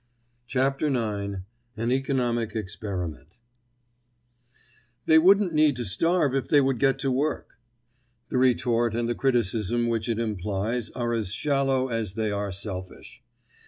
CHAPTER IX—AN ECONOMIC EXPERIMENT They wouldn't need to starve if they would get to work." The retort and the criticism which it implies are as shallow as they are selfish.